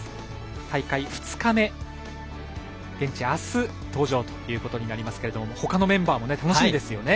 大会２日目、現地、明日登場ということになりますけども他のメンバーも楽しみですよね。